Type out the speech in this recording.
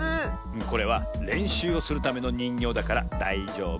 これはれんしゅうをするためのにんぎょうだからだいじょうぶ。